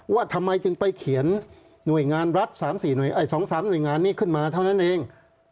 ว่าทำไมจึงไปเขียนหน่วยงานรัฐ๒๓หน่วยงานนี้ขึ้นมาเท่านั้นเอง